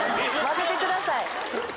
交ぜてください。